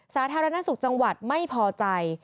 สาธารณสุขจังหวัดไม่พอใจ